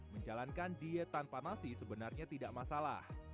menjalankan diet tanpa nasi sebenarnya tidak masalah